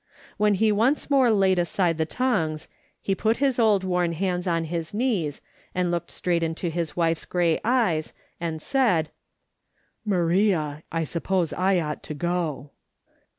When he once more laid aside the tongs ho put his old worn hands on his knees and looked straight into his wife's grey eyes, and said: " Maria, I suppose I ought to go."